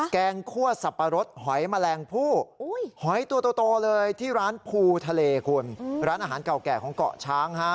แกงคั่วสับปะรดหอยแมลงผู้หอยตัวโตเลยที่ร้านภูทะเลคุณร้านอาหารเก่าแก่ของเกาะช้างฮะ